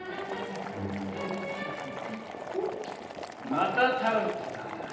またタルトだな。